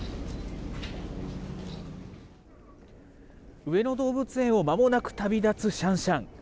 上野動物園をまもなく旅立つシャンシャン。